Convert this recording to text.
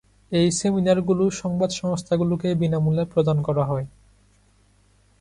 এই সেমিনারগুলো সংবাদ সংস্থাগুলোকে বিনামূল্যে প্রদান করা হয়।